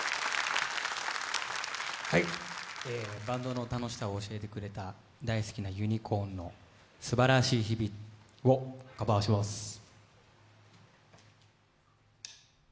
バンドの楽しさを教えてくれた大好きなユニコーンの「すばらしい日々」をカバーします。